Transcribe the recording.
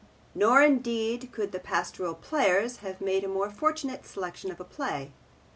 Nor indeed could the Pastoral Players have made a more fortunate selection of a play.